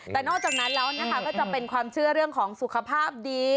แต่นอกจากนั้นแล้วนะคะก็จะเป็นความเชื่อเรื่องของสุขภาพดี